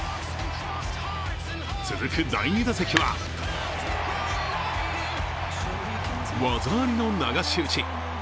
続く第２打席は技ありの流し打ち。